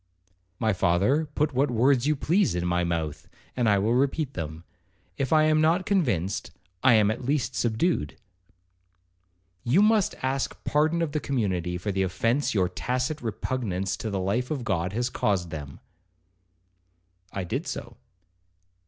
'My father, put what words you please in my mouth, and I will repeat them,—if I am not convinced, I am at least subdued.' 'You must ask pardon of the community for the offence your tacit repugnance to the life of God has caused them.' I did so.